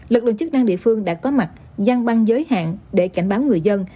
lực lượng chức năng địa phương đã có mặt gian băng giới hạn để cảnh báo người dân